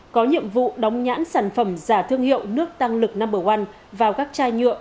có nhiệm vụ đóng nhãn sản phẩm giả thương hiệu nước tăng lực no một vào các chai nhựa